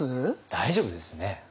大丈夫ですよね？